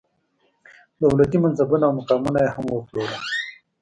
دولتي منصبونه او مقامونه یې هم وپلورل.